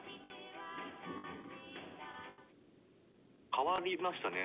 変わりましたね。